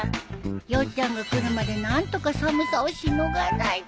ヨッちゃんが来るまで何とか寒さをしのがないと。